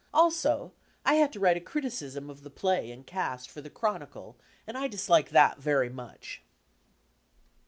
Also, I had to write a criticism of the play and cast for the Chronicle and I dislike that very much.